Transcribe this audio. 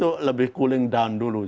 itu lebih cooling down dulu